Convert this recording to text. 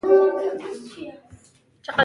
سبا به څه وشي